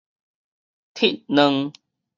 鐵卵